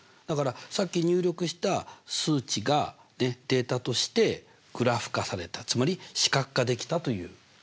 だからさっき入力した数値がデータとしてグラフ化されたつまり視覚化できたという。